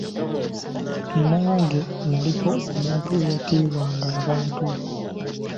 Nange naliko omuntu eyatiibwanga abantu.